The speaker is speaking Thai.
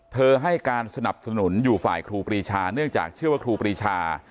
ให้การสนับสนุนอยู่ฝ่ายครูปรีชาเนื่องจากเชื่อว่าครูปรีชา